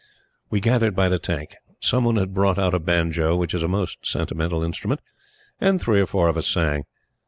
We gathered by the tank. Some one had brought out a banjo which is a most sentimental instrument and three or four of us sang.